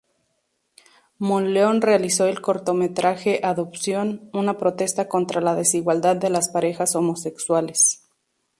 Monleón realizó el cortometraje "Adopción", una protesta contra la desigualdad de las parejas homosexuales.